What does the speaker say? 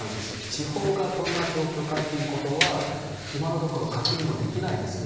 地方がどんな状況かということは、今のところ確認もできないですね。